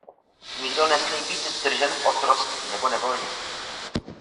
Nikdo nesmí být držen v otroctví nebo nevolnictví.